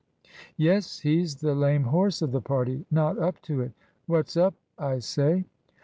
"Yes he's the lame horse of the party not up to it. What's up, I say?"